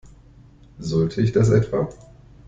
Sollte ich das etwa?